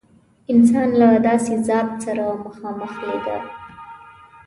انسان له داسې ذات سره مخامخ لیده.